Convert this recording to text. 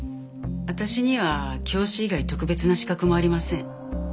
私には教師以外特別な資格もありません。